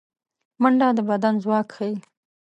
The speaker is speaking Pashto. منډه د بدن ځواک ښيي